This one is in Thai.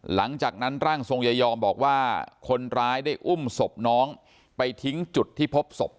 หลังจากนั้นร่างทรงยายอมบอกว่าคนร้ายได้อุ้มศพน้องไปทิ้งจุดที่พบศพ